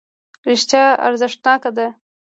رښتیا ارزښتناکه ده.